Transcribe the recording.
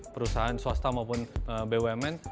perusahaan swasta maupun bumn